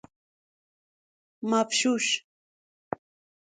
مفشوش